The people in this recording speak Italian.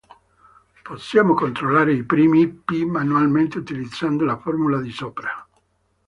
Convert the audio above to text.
Possiamo controllare i primi "p" manualmente utilizzando la formula di sopra.